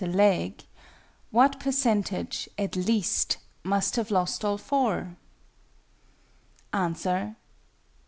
a leg: what percentage, at least, must have lost all four? _Answer.